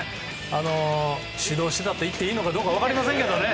指導していたと言っていいのか分かりませんけどね。